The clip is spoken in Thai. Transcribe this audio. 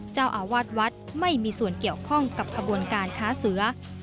เจ้าอาวาสวัดไม่มีส่วนเกี่ยวข้องกับขบวนการค้าเสือ